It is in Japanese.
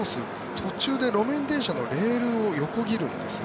途中で路面電車のレールを横切るんですね。